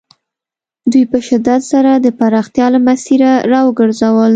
دوی په شدت سره د پراختیا له مسیره را وګرځول.